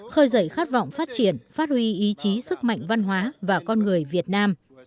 khơi dậy khát vọng phát triển phát huy ý chí sức mạnh văn hóa và con người việt nam